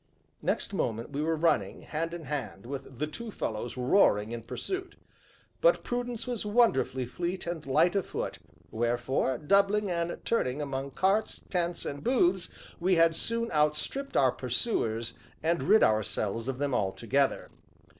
Next moment we were running, hand in hand, with the two fellows roaring in pursuit. But Prudence was wonderfully fleet and light of foot, wherefore, doubling and turning among carts, tents, and booths, we had soon outstripped our pursuers, and rid ourselves of them altogether.